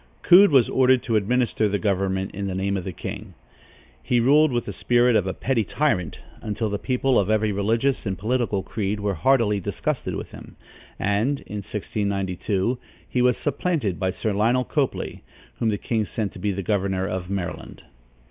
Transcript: Coode was ordered to administer the government in the name of the king. He ruled with the spirit of a petty tyrant, until the people of every religious and political creed were heartily disgusted with him, and, in 1692, he was supplanted by Sir Lionel Copley, whom the king sent to be governor of Maryland.